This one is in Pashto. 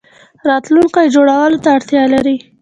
راتلونکی جوړولو ته اړتیا لري